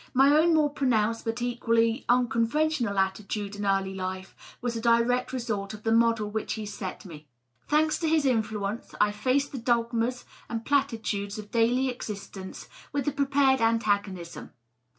My own more pronounced but equally uncon ventional attitude in early life was a direct result of the model which he set me. Thanks to his influence, I faced the dogmas and platitudes of daily existence with a prepared antagonism.